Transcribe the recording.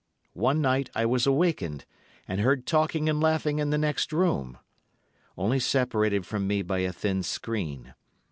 One night I was awakened, and heard talking and laughing in the next room, only separated from me by a thin screen.